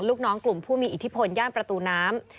ลูกน้องกลุ่มผู้มีอิทธิพลย่านประตูน้ำ